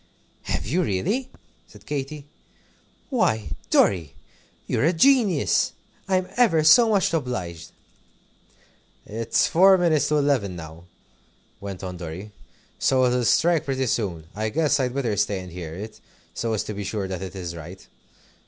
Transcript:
"Have you, really?" said Katy. "Why, Dorry, you're a genius! I'm ever so much obliged." "It's four minutes to eleven now," went on Dorry. "So it'll strike pretty soon. I guess I'd better stay and hear it, so as to be sure that it is right.